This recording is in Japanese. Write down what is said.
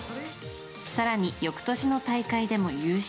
更に翌年の大会でも優勝。